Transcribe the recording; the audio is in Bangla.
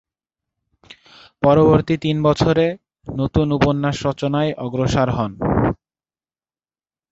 পরবর্তী তিন বছরে নতুন উপন্যাস রচনায় অগ্রসর হন।